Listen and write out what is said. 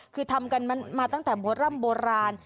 คือทำกันมาตั้งแต่โบราณ